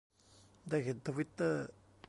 ได้เห็นทวิตเตอร์